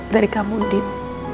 dari kamu din